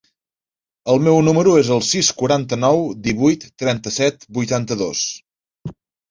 El meu número es el sis, quaranta-nou, divuit, trenta-set, vuitanta-dos.